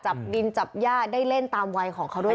จับดินจับย่าได้เล่นตามวัยของเขาด้วย